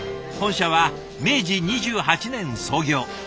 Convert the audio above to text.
本社は明治２８年創業。